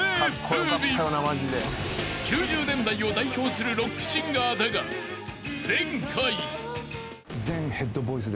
［９０年代を代表するロックシンガーだが前回］